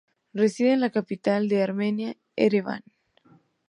Reside en la capital de Armenia, Ereván.